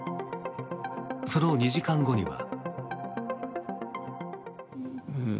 その２時間後には。